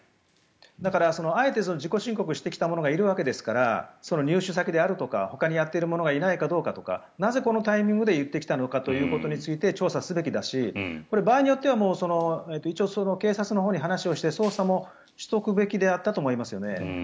だから、あえて自己申告してきた者がいるわけですから入手先であるとかほかにやっている者がいないかどうかとかなぜこのタイミングで言ってきたのかということについて調査すべきだし場合によっては一応、警察のほうに話をして捜査もしておくべきだったと思いますね。